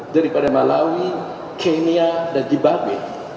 daripada malawi kenya dan jibage